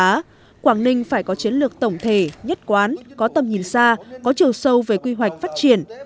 trong đó quảng ninh phải có chiến lược tổng thể nhất quán có tầm nhìn xa có chiều sâu về quy hoạch phát triển